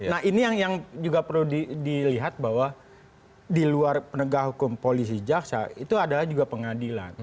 nah ini yang juga perlu dilihat bahwa di luar penegak hukum polisi jaksa itu adalah juga pengadilan